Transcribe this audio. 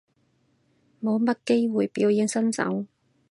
冇乜機會表演身手